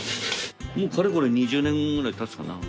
かれこれ２０年ぐらいたつかな。